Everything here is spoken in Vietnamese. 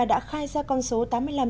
đã khai ra con số tài sản